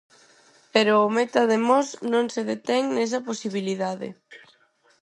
Pero o meta de Mos non se detén nesa posibilidade.